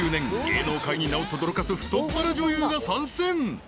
［芸能界に名をとどろかす太っ腹女優が参戦］